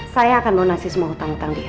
saya akan donasi semua hutang hutang dia